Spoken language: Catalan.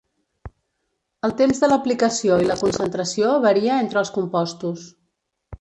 El temps de l'aplicació i la concentració varia entre els compostos.